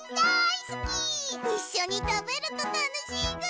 いっしょにたべるとたのしいぐ！